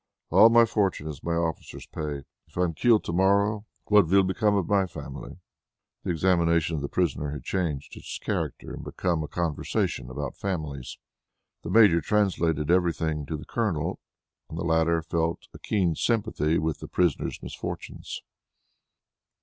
All my fortune is my officer's pay. If I am killed to morrow, what will become of my family?" The examination of the prisoner had changed its character and become a conversation about families. The Major translated everything to the Colonel and the latter felt a keen sympathy with the prisoner's misfortunes.